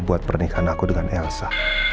buat pernikahan aku dengan elsa